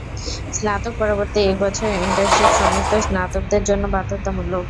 স্নাতক পরবর্তী এক বছরের ইন্টার্নশিপ সমস্ত স্নাতকদের জন্য বাধ্যতামূলক।